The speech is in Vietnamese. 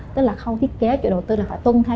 tức là khâu thiết kế chủ đầu tư là phải tuân theo